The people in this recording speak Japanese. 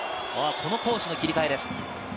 攻守の切り替えです